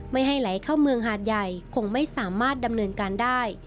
ไม่ให้ไหลเข้าเมืองหาดใหญ่คงไม่สามารถดำเนินการได้